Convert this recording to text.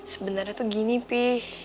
sebenernya tuh gini pi